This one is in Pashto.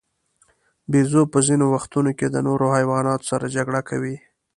بیزو په ځینو وختونو کې د نورو حیواناتو سره جګړه کوي.